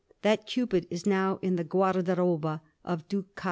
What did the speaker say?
That Cupid is now in the guardaroba of Duke Cosimo.